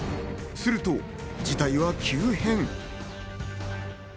すると、事態は急変。